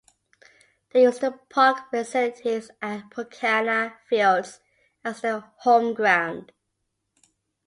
They use the park facilities at Pontcanna Fields as their home ground.